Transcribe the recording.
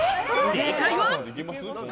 正解は。